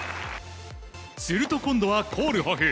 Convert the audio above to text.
すると今度はコールホフ。